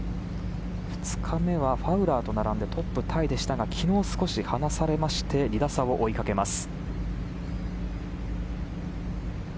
２日目はファウラーと並んでトップタイでしたが昨日、少し離されまして２打差を追いかけます。